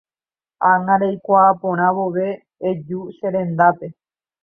Ág̃a reikuaa porã vove eju che rendápe.